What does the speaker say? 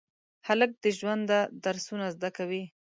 هلک د ژونده درسونه زده کوي.